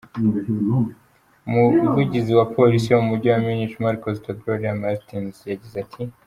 Umuvugizi wa polisi yo mu mujyi wa Munich, marcus da Gloria Martins yagize ati:.